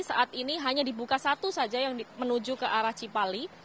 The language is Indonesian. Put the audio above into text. saat ini hanya dibuka satu saja yang menuju ke arah cipali